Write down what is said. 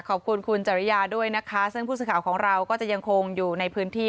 ขอบคุณคุณจริยาด้วยนะคะซึ่งผู้สื่อข่าวของเราก็จะยังคงอยู่ในพื้นที่